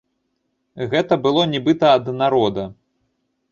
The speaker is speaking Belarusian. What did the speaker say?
Гэта было нібыта ад народа.